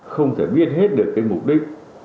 không thể biết hết được cái mục đích